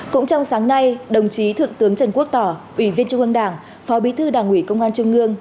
cũng trong sáng nay đồng chí thượng tướng trần quốc tỏ ủy viên trung ương đảng phó bí thư đảng ủy công an trung ương